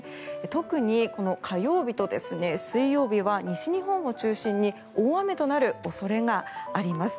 特にこの火曜日と水曜日は西日本を中心に大雨となる恐れがあります。